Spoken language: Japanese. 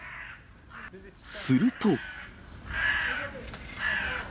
すると。